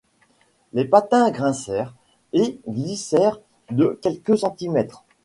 Les patins grincèrent et glissèrent de quelques centimètres.